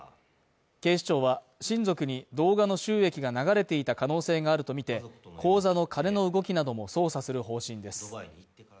警視庁は親族に動画の収益が流れていた可能性があるとみて、口座の金の動きなども捜査する方針です。